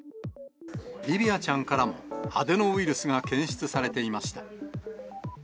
リヴィアちゃんからも、アデノウイルスが検出されていました。